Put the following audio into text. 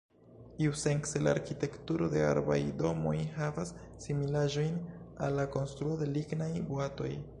Iusence la arkitekturo de arbaj domoj havas similaĵojn al la konstruo de lignaj boatoj.